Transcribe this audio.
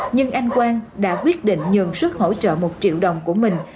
nhưng anh quang đã quyết định nhường sức hỗ trợ một triệu đồng của mình